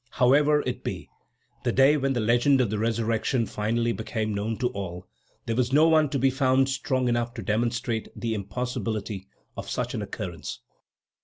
However it be, the day when the legend of the resurrection finally became known to all, there was no one to be found strong enough to demonstrate the impossibility of such an occurrence.